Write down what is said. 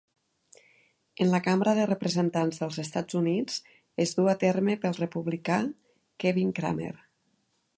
En la cambra de representants dels Estats Units es dur a terme pel republicà Kevin Cramer.